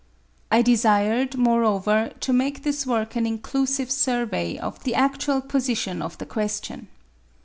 I desired, moreover, to make this work an inclusive survey of the adtual position of the question.